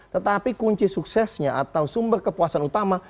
tetapi kunci suksesnya atau sumber kepuasan utama